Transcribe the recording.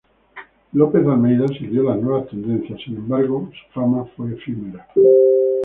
Lopes de Almeida siguió las nuevas tendencias, sin embargo, su fama fue efímera.